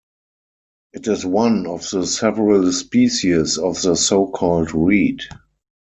It is one of the several species of the so-called reed.